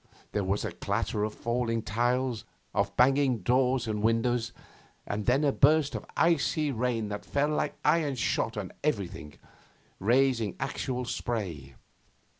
There was a clatter of falling tiles, of banging doors and windows, and then a burst of icy rain that fell like iron shot on everything, raising actual spray.